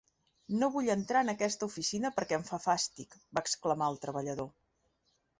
“No vull entrar en aquesta oficina perquè em fa fàstic”, va exclamar el treballador.